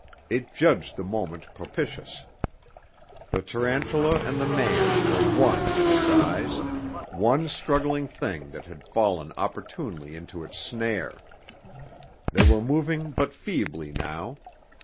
It judged the moment propitious. The tarantula and the man were one in its eyes, one struggling thing that had fallen opportunely into its snare. They were moving but feebly now.